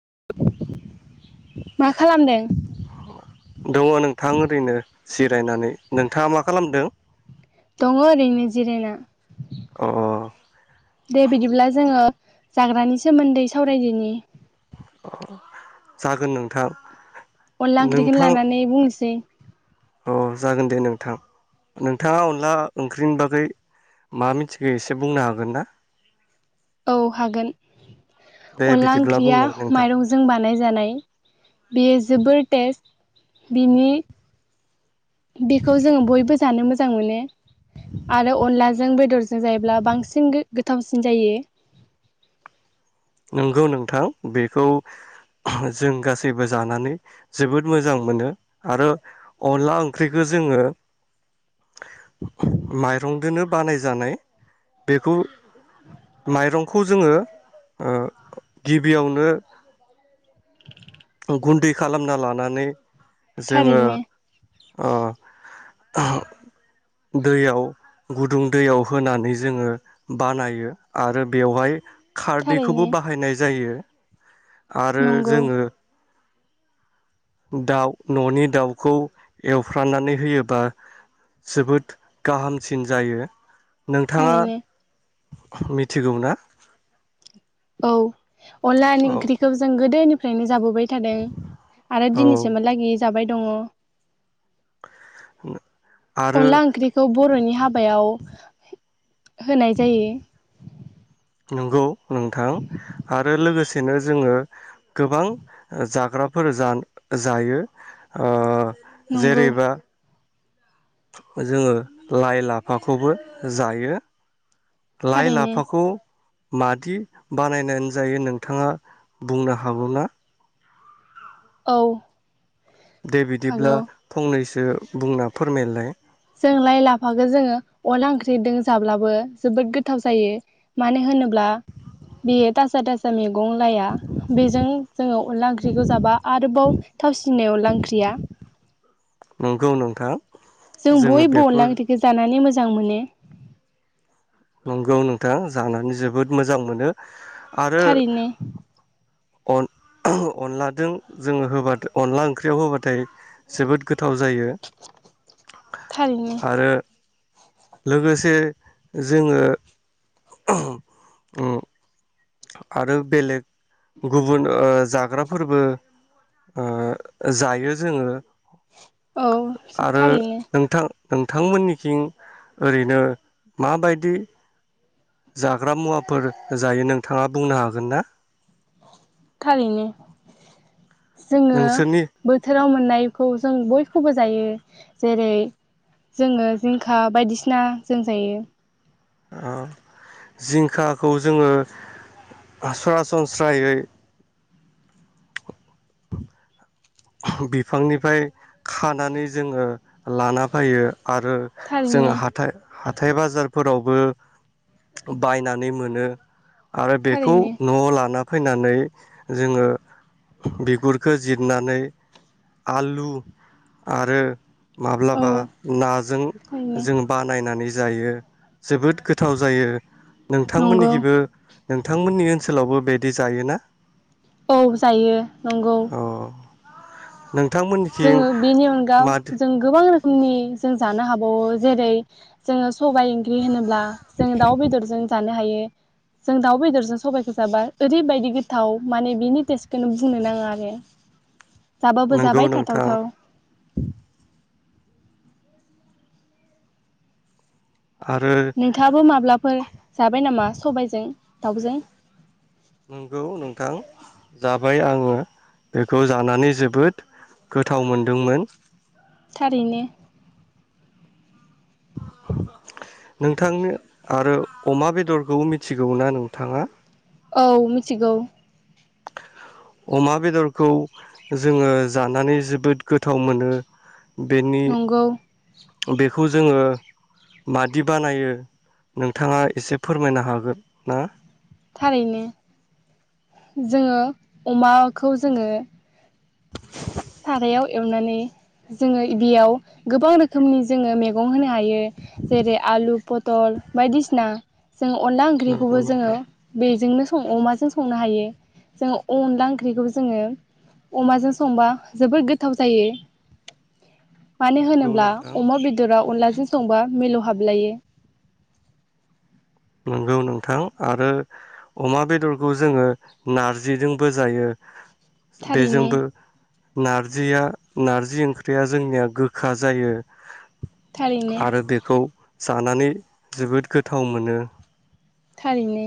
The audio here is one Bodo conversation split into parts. [inaudible] मा खालामदों? दङ नोंथां ओरैनो जिरायनानै नोंथाङा मा खालामदों? दङो ओरैनो जिरायना। अ। दे बिदिब्ला जोङो जाग्रानि सोमोन्दै सावरायदोनि। अ जागोन नोंथां। अनला ओंख्रिखौनो नोंथां लानानै बुंनोसै। अ जागोन दे नोंथां नोंथाङा अनला ओंख्रिनि बागै मा मिथिगौ एसे बुंनो हागोन ना। औ हागोन। दे अनला बिदिब्ला ओंख्रिया बुंलाय नोंथां माइरंजों बानाय। जानाय। बेयो जोबोर टेस्ट। बिनि। बेखौ जोङो बयबो जानो मोजां मोनो। आरो अनलाजों बेदरजों जायोब्ला बांसिन गो-गोथ थावसिन जायो। नंगौ नोंथां बेखौ जों गासैबो जानानै जोबोद मोजां मोनो आरो अनला ओंख्रिखौ जोङो माइरंदोनो बानायजानाय बेखौ माइरंखौ जोङो। ओ गिबियावनो। गुन्दै खालामना लानानै। जोङो थारैनो अ। दैयाव गुदुं दैयाव होनानै जोङो बानायो आरो बेवहाय। थारैनो खारदैखौबो बाहायनाय जायो। आरो नंगौ जोङो। दाउ न'नि दाउखौ एवफ्रानानै होयोबा जोबोद गाहामसिन जायो नोंथाङा थारैनो मिथिगौना? औ अनलानि ओंख्रिखौ जों गोदोनि फ्रायनो जाबो बाय थादों आरो औ दिनैसिमहालागि जाबाय दङ' आरो अनला ओंख्रिखौ बर'नि हाबायाव होनाय जायो नंगौ नोंथां आरो लोगोसे नो जोङो गोबां ओ जाग्राफोर जान-जायो ओ नंगौ जेरैबा जोङो लाइ लाफाखौबो जायो लाइ थारैनो लाफाखौ मादि बानायनानै जायो नोंथाङा बुंनो हागौना? औ दे बिदिब्ला हागौ फंनैसो ओ बुंना फोरमायलाय जों लाइ लाफाखो जोङो अनला ओंख्रिदों जाब्लाबो जोबोद गोथाव जायो मानो होनोब्ला बेयो ताजा ताजा मैगं लाया बेजों जोङो अनला ओंख्रिखौ जाबा आरोबाव थावसिनाय अनला ओंख्रिया नंगौ नोंथां जों जोङो बयबो बेखौ अनला ओंख्रिखौ जानानै मोज जां मोनो नंगौ नोंथां जानानै जोबोद मोजां मोनो। आरो थारैनो अन-अनलाजों जोङो होबाथाय अनला ओंख्रियाव होबाथाय जोबोद गो थाव जायो थारैनो आरो लोगोसे जोङो उम आरो बेलेग गुबुन ओ जाग्राफोरबो ओ जायो जोङो औ [unintelligible] आरो थारैनो नोंथां नोंथांमोननिखिं ओरैनो माबायदि जाग्रा मुवाफोर जायो नोंथाङा बुंनो हागोन ना? थारैनो जोङो नोंसोरनि बोथोराव मोननायखौ जों बय खौबो जायो जेरै जोङो जिंखा बायदिसिना जों जायो। ओ जिंखाखौ जोंङो आ सरासनस्रायै बिफांनिफ्राय खानानै जोंङो लाना फाययो। आरो थारैनो जोंङो हाथाय हाथाय बाजारफोरावबो बायनानै मोनो। आरो बेखौ थारैनो न'आव लाना फैनानै जोंङो बिगुरखो जिरनानै आलु आरो औ माब्लाबा नाजों थारैनो जों बानायनानै जायो जोबोद गोथाव जायो। नंगौ नोंथांमोननिखिबो नोंथांमोननि ओनसोलावबो बेदि जायोना औ जायो नंगौ अ नोंथांमोननिथिं जोंङो बेनि अनगा माद जों गोबां रो खोमनि जों जानो हाबावो जेरै जोंङो स सबाइ ओंख्रि होनोब्ला जों दाउ बेदरजों जानो हायो जों दाउ बेदरजों सबायखौ जाबा ओरैबायदि गोथाव माने बिनि टेस्टखौनो बुंनो नांङा आरो जाबाबो नंगौ जाबाय था नोंथां थावथाव आरो नोंथांङाबो माब्लाफोर जाबाय नामा सबायजों? दावजों नोंगौ नोंथां जाबाय आंङो बेखौ जानानै जोबोद गोथाव मोनदोंमोन। थारैनो। नोंथांनो आरो अमा बेदरखौ मिथिगौ ना नोंथांङा। औ मिथिगौ। अमा बेदरखौ जोंङो जानानै जोबोद गोथाव मोनो। बेनि। नंगौ बेखौ जोंङो मादि बानायो नोंथांङा एसे फोरमायनो हागोन ना। थारैनो जोंङो अमाखौ जोंङो। सारायाव एवनानै जोंङो बियाव गोबां रोखोमनि जोंङो मैगं होनो हायो जेरै आलु पटल बायदिसिना। जों अनला नंगौ ओंख्रिखौबो जोंङो नोंथां बेजोंनो सं अमाजों संनो हायो जोंङो अनला ओंख्रिखौबो जोंङो अमाजों संबा जोबोर गोथाव जायो। मानो नंगौ होनोब्ला नोंथां अमा बेदरा अनला जों संबा मिलौ हाबलायो। नोंगौ नोंथां आरो अमा बेदरखौ जोंङो नारजिजोंबो जायो। थारैनो बेजोंबो। नारजिया नारजि ओंख्रिया जोंनिया गोखा जायो। थारैनो आरो बेखौ जानानै जोबोद गोथाव मोनो। थारैनो।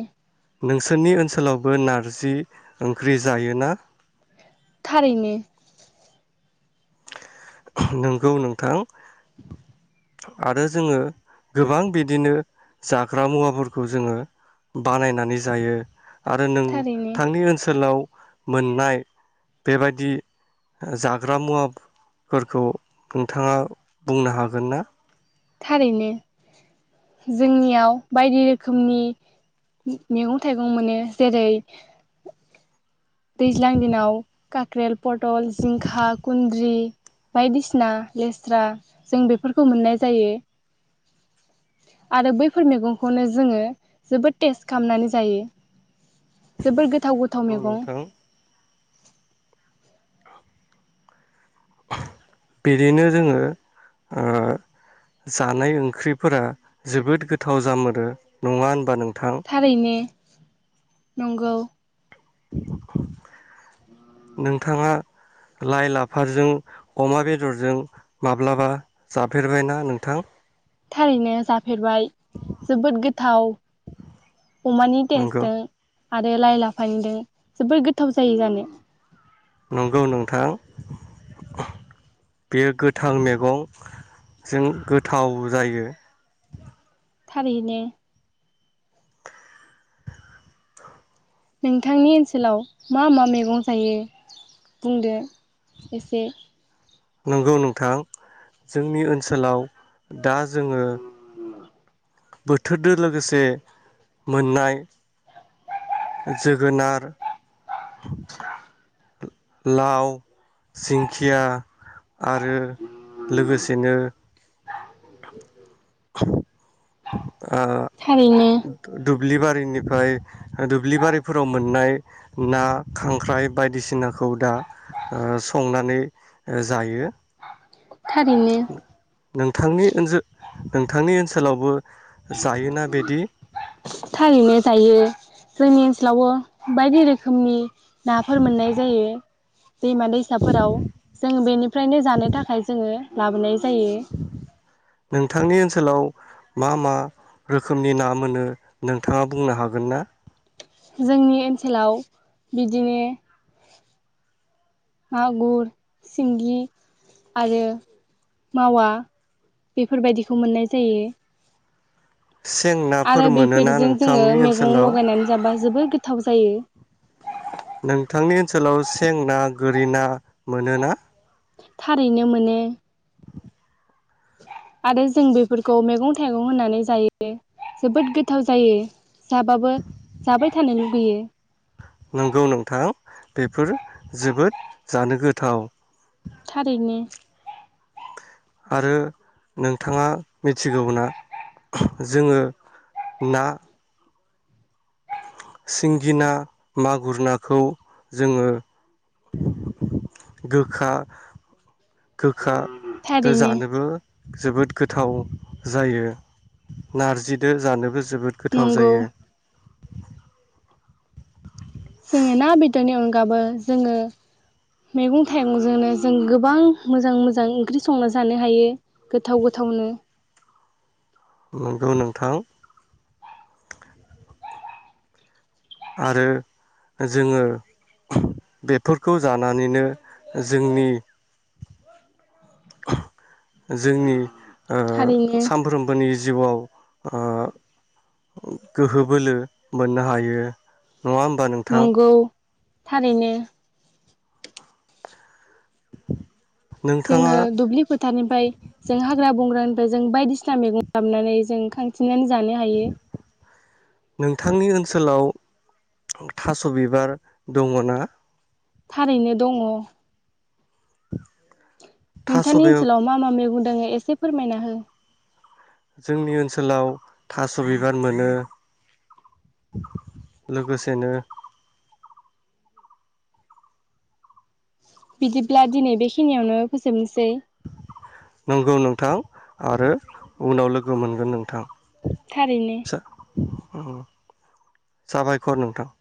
नोंसोरनि ओनसोलावबो नारजि ओंख्रि जायो ना। थारैनो। नंगौ नोंथां आरो जोङो गोबां बिदिनो जाग्रा मुवाफोरखौ जोङो बानायनानै जायो। आरो नों थारैनो थांनि ओनसोलाव। मोननाय बेबायादि जाग्रा मुवा। फोरखौ नोंथाङा बुंनो हागोन ना। थारैनो जोंनियाव बायदि रोखोमनि मैगं थाइगं मोनो जेरै दैज्लां दिनाव काख्रेल पटल जिंखा कुन्द्रि बायदिसिना लेस्रा जों बेफोरखौ मोननाय जायो। आरो बैफोर मैगंखौनो जोङो जोबोद टेस्ट खालामनानै जायो। जोबोर गोथाव गोथाव नंगौ मैगं। नोंथां बिदिनो जोङो जानाय ओंख्रिफोरा जोबोद गोथाव जामोरो नङा होनबा नों। थारैनो। नंगौ। [inaudible] नों। नोंथाङा लाइ लाफाजों अमा बेदरजों माब्लाबा जाफेरबायनाा नोंथां। थारैनो जाफे फफेरबाय जोबोद गोथाव अमानि नंगौ टेस्टजों आरो लाइ लाफानिदों जोबोर गोथाव जायो जानो। नंगौ नोंथां बेयो गोथां मैगंजों गोथाव जायो। थारैनो। नोंथांनि ओनसोलाव मा मा मैगं जायो बुंदो। एसे नंगौ नोंथां जोंनि ओनसोलाव दा जोङो बोथोरदो लोगोसे मोननाय जोगोनार [inaudible] लाव जिंखिया आरो लोगोसेनो [inaudible] आ थारैनो दुब दुब्लि बारिनिफ्राय दुब्लि बारिफोराव मोननाय ना खांख्राइ बायदिसिनाखौ दा ओ संनानै जायो। थारैनो नोंथांनि ओनसोल नोंथांनि ओनसोलावबो जायोना बिदि। थारैनो जायो जोंनि ओनसोलावबो बायदि रोखोमनि नाफोर मोननाय जायो दैमा दैसाफोराव जों बेनिफ्रायनो जानो थाखाय जोङो लाबोनाय जा नोंथांनि ओनसोलाव मा मा रोखोमनि ना मोनो नोंथाङा बुंनो हागोन ना? जोंनि ओनसोलाव बिदिनो मागुर सिंगि आरो मावा बेफोरबायदिखौ मोननाय जायो। सें नाफोर आरो मोनोना बेफोरजों जोङो नोंथांनि मैगं ओनसोलाव लगायनानै जाबा जोबोद गोथाव जायो। नोंथांनि ओनसोलाव सें ना गोरि ना मोनोना? थारैनो मोनो। आरो जों बेफोरखौ मैगं थाइगं होननानै जायो जोबोद गोथाव जायो। जाबाबो जाबाय थानो लुगैयो। नंगौ नोंथां बेफोर जोबोद जानो गोथाव। थारैनो। आरो नोंथाङा मिथिगौना जोङो ना सिंगिना मागुर नाखौ जोङो गोखा गोखा दो थारैनो जानोबो जोबोद गोथाव जायो नारजिदो जानोबो जोबोद गोथाव नंगौ जायो। जोङो ना बेदरनि गाबो जोङो मैगं थाइगंजोंनो जों गोबां मोजां मोजां ओंख्रि संना जानो हायो गोथाव गोथावनो। नोंगौ नोंथां। आरो जोङो बेफोरखौ जानानैनो जोंनि जोंनि ओ थारैनो सामफ्रोमबोनि जिउआव ओ गोहो बोलो मोननो हायो। नङा होमबा नोंथां? नंगौ थारैनो। नोंथाङा जोङो दुब्लि फोथारनिफ्राय जों हाग्रा बंग्रानि जों बायदिसिना मैगं लाबनानै जों खांथिंनानै जानो हायो नोंथांनि ओनसोलाव थास' बिबार दङ ना? थारैनो दङ [inaudible] नोंथांनि बे ओनसोलाव मा मा मैगं [unintelligible] एसे फोरमायना हो जोंनि ओनसोलाव थास' बिबार मोनो लोगोसेनो बिदिब्ला दिनै बेखिनियावनो फोजोबनो नंगौ नोंथां। आरो उनाव लोगो मोनगोन नोंथां थारैनो फिसा [inaudible] साबायखर नोंथां